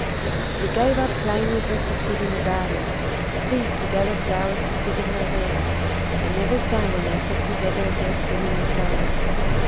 She gave up playing with her sisters in the garden, ceased to gather flowers to put in her hair, and never sang when they sat together at their spinning and sewing.